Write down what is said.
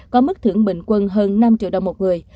có mức thưởng bình quân hơn năm triệu đồng một người